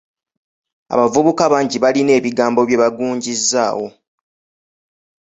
Abavubuka bangi balina ebigambo bye bagungizzaawo.